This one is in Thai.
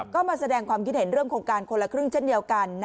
ก็มาแสดงความคิดเห็นเรื่องโครงการคนละครึ่งเช่นเดียวกัน